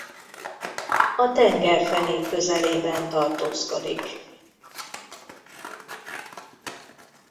A tengerfenék közelében tartózkodik.